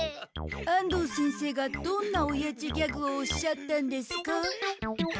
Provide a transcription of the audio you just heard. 安藤先生がどんなおやじギャグをおっしゃったんですか？